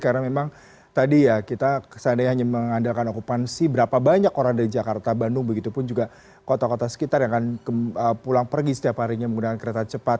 karena memang tadi ya kita seandainya hanya mengandalkan okupansi berapa banyak orang dari jakarta bandung begitu pun juga kota kota sekitar yang akan pulang pergi setiap harinya menggunakan kereta cepat